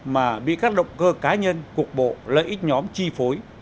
mà bị các động cơ cá nhân cục bộ lợi ích nhóm chi phối